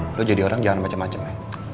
lo jadi orang jangan macem macem ya